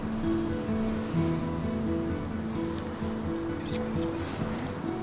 よろしくお願いします。